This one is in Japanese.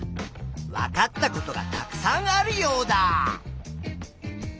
わかったことがたくさんあるヨウダ！